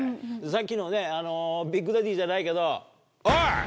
さっきのねビッグダディじゃないけど。